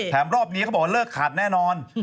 รอบนี้เขาบอกว่าเลิกขาดแน่นอน